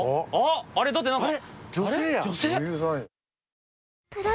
あれだって何か。